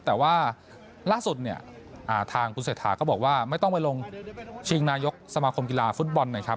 แต่ว่าล่าสุดเนี่ยทางคุณเศรษฐาก็บอกว่าไม่ต้องไปลงชิงนายกสมาคมกีฬาฟุตบอลนะครับ